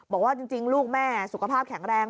บอกว่าจริงลูกแม่สุขภาพแข็งแรง